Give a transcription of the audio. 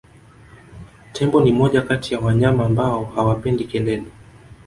Tembo ni moja kati ya wanyama ambao hawapendi kelele